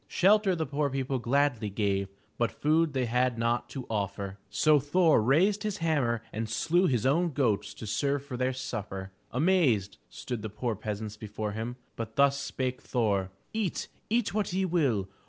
Shelter the poor people gladly gave but food they had not to offer. So Thor raised his hammer and slew his own goats to serve for their supper. Amazed stood the poor peasants before him, but thus spake Thor: "Eat, eat what ye will!